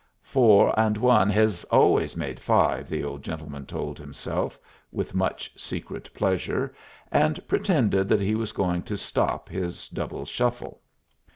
"Four and one hez always made five," the old gentleman told himself with much secret pleasure, and pretended that he was going to stop his double shuffle.